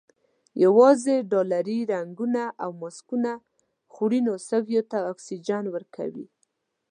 یوازې ډالري رنګونه او ماسکونه خوړینو سږیو ته اکسیجن ورکوي.